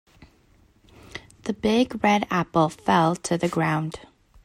The big red apple fell to the ground.